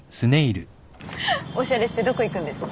おしゃれしてどこ行くんですか？